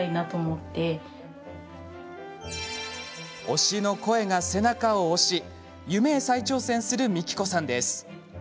推しの声が背中を押し夢へ再挑戦するみきこさんです。